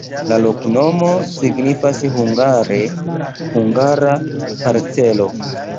La loknomo signifas hungare: hungara-parcelo.